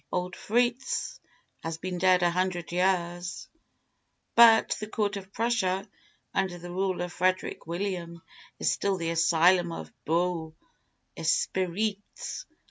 'Old Fritz' has been dead a hundred years; but the court of Prussia, under the rule of Frederick William, is still the asylum of beaux esprits.